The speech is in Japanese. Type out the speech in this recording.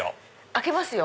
開けますよ。